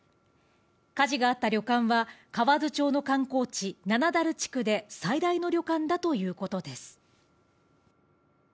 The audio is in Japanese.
火事があった旅館は、河津町の観光地、七滝地区で最大の旅館だということです。